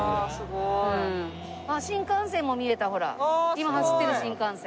今走ってる新幹線。